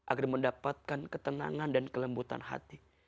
agar mendapatkan ketenangan dan kelembutan hati